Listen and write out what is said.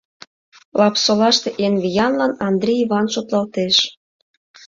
Лапсолаште эн виянлан Андри Иван шотлалтеш.